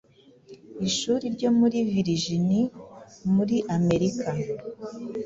ishuri ryo muri Virginie muri america